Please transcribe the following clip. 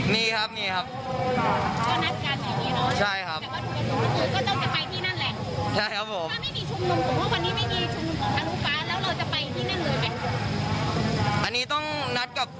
ใดให้คุยกับที่บ้านเขาว่าจะมาชุมนุม